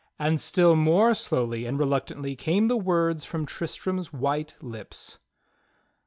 And still more slowly and reluctantly came the words from Tris tram's white lips.